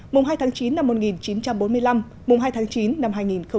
mùng hai tháng chín năm một nghìn chín trăm bốn mươi năm mùng hai tháng chín năm hai nghìn hai mươi